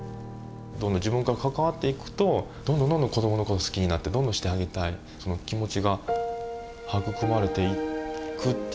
自分が関わっていくとどんどんどんどん子どもの事好きになってどんどんしてあげたいその気持ちが育まれていく。